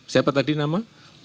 siapa tadi nama